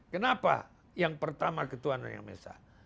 kenapa yang pertama ketuhanan yang maha esa